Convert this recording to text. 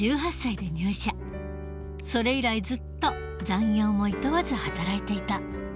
それ以来ずっと残業もいとわず働いていた。